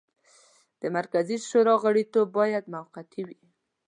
د مرکزي شورا غړیتوب باید موقتي وي.